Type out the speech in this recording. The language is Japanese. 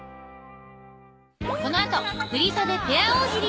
この後振袖ペア大喜利！